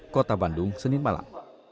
kota bandung senin malam